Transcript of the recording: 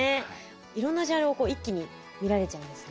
いろんなジャンルを一気に見られちゃうんですね。